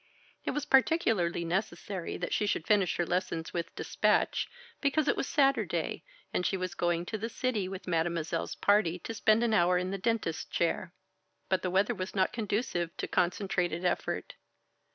It was particularly necessary that she should finish her lessons with dispatch, because it was Saturday, and she was going to the city with Mademoiselle's party to spend an hour in the dentist's chair. But the weather was not conducive to concentrated effort.